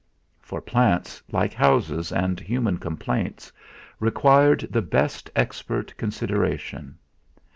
For plants, like houses and human complaints, required the best expert consideration.